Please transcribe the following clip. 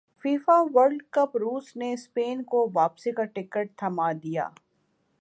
FIFA World cup روس نے Spain کو واپسی کا ٹکٹ تھمادیا